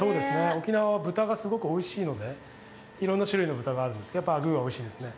沖縄は豚がすごくおいしいので、いろんな種類の豚があるんですが、やっぱアグーはおいしいですね。